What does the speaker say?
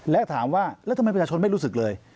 และถามว่าแล้วทำไมประชาชนไม่รู้สึกเลย